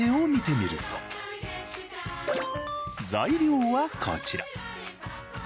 材料はこちら。